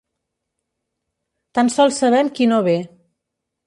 Tan sols sabem qui no ve.